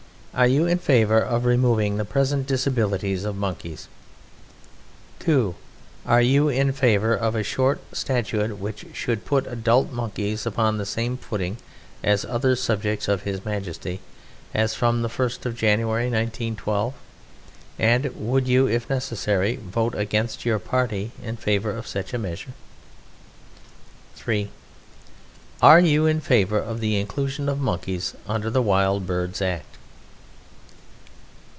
Are you in favour of removing the present disabilities of Monkeys? 2. Are you in favour of a short Statute which should put adult Monkeys upon the same footing as other subjects of His Majesty as from the 1st of January, 1912? And would you, if necessary, vote against your party in favour of such a measure? 3. Are you in favour of the inclusion of Monkeys under the Wild Birds Act?